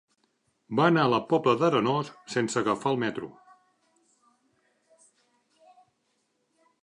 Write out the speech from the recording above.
Va anar a la Pobla d'Arenós sense agafar el metro.